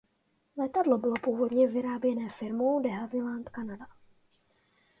Letadlo bylo původně vyráběné firmou de Havilland Canada.